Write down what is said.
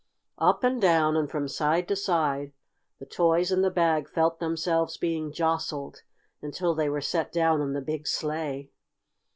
Up and down, and from side to side the toys in the bag felt themselves being jostled, until they were set down in the big sleigh.